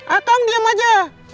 akang diam aja